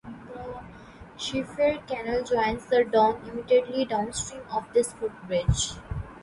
The Sheffield Canal joins the Don immediately downstream of this footbridge.